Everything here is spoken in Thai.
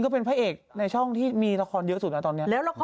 คุณเกรทรหล่อขึ้นเยอะมาก